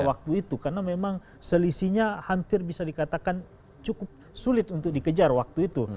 waktu itu karena memang selisihnya hampir bisa dikatakan cukup sulit untuk dikejar waktu itu